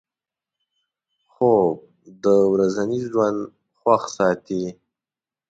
خوب د ورځني ژوند خوښ ساتي